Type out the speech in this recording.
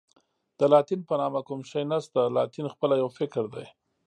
د لاتین په نامه کوم شی نشته، لاتین خپله یو فکر دی.